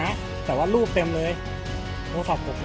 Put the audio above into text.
อัศวินไทย